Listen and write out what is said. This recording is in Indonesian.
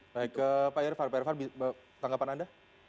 baik pak irvan pak irvan tanggapan anda